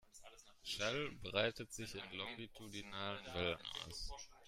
Schall breitet sich in longitudinalen Wellen aus.